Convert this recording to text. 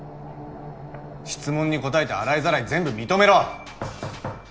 質問に答えて洗いざらい全部認めろ！